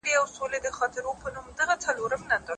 مرګه مه راځه وختي دی دا غزل یم پوروړی